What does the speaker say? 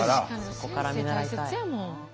そこから見習いたい。